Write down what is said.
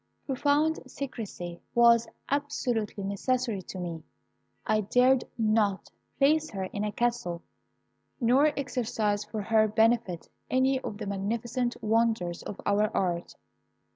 "Profound secrecy was absolutely necessary to me. I dared not place her in a castle, nor exercise for her benefit any of the magnificent wonders of our art.